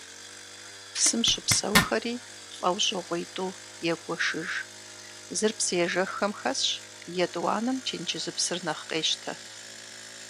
Псым щыпсэухэри лӏэужьыгъуитӏу егуэшыж: зыр псыежэххэм хэсщ, етӏуанэм тенджызыпсыр нэхъ къещтэ.